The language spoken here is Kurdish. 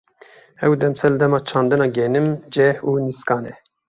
Ev demsal, dema çandina genim, ceh û nîskan e.